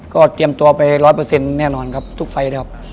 ก็เตรียมตัวไปร้อยเปอร์เซ็นต์แน่นอนครับทุกฝ่ายครับ